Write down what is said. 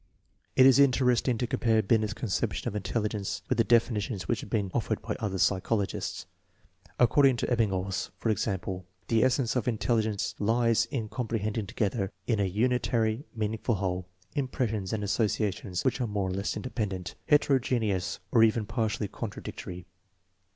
It is interesting to compare Bluet's conception of intelligence with the defini tions which have been offered by other psychologists. Ac cording to Kbhinghaus, for example, the essence of intelli gence lies in comprehending together in a unitary, meaning ful whole, impressions and associations which are more or leSvS independent, heterogeneous, or even partly contra dictory.